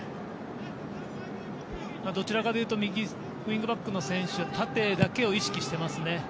どちらかというと右ウイングバックの選手は縦だけを意識していますね。